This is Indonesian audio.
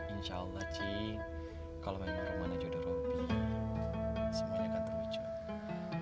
insya allah cik kalau memang romanya jodoh rom semuanya akan terwujud